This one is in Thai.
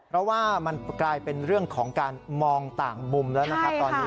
เพราะว่ามันกลายเป็นเรื่องของการมองต่างมุมแล้วนะครับตอนนี้